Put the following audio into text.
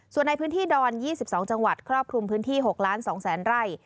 ส่วนในพื้นที่ดอน๒๒จังหวัดครอบคลุมพื้นที่๖ล้าน๒แสนไร่